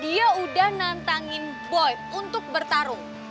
dia udah nantangin boy untuk bertarung